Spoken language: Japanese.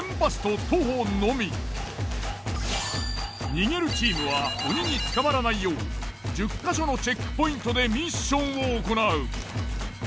逃げるチームは鬼に捕まらないよう１０か所のチェックポイントでミッションを行う。